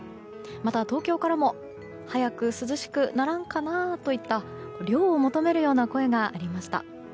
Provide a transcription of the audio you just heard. また東京からも早く涼しくならんかなあといった涼を求めるような声がありました。